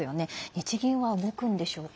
日銀は動くのでしょうか。